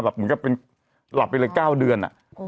เหมือนกับเป็นหลับไปเลย๙เดือน